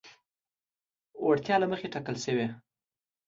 وړتیا له مخې ټاکل شوي.